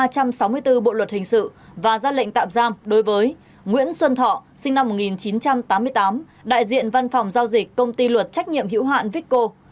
điều ba trăm sáu mươi bốn bộ luật hình sự và ra lệnh tạm giam đối với nguyễn xuân thọ sinh năm một nghìn chín trăm tám mươi tám đại diện văn phòng giao dịch công ty luật trách nhiệm hữu hạn vicko